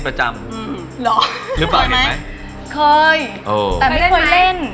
แต่ไม่เคยเล่น